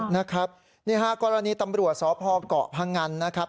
นี่ค่ะกรณีตำรวจสอบภอกเกาะพังงันนะครับ